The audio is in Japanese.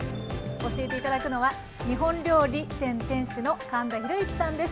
教えていただくのは日本料理店店主の神田裕行さんです。